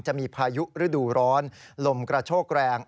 จะมีพายุฤดูร้อนลมกระโชกแรง